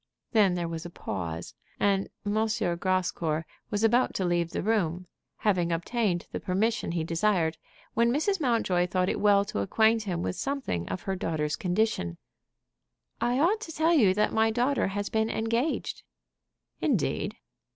Then there was a pause, and M. Grascour was about to leave the room, having obtained the permission he desired, when Mrs. Mountjoy thought it well to acquaint him with something of her daughter's condition. "I ought to tell you that my daughter has been engaged." "Indeed!"